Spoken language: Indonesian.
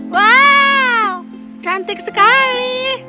wow cantik sekali